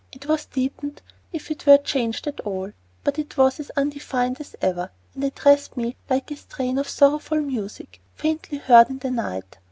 It was deepened, if it were changed at all; but it was as undefined as ever, and addressed me like a strain of sorrowful music faintly heard in the night.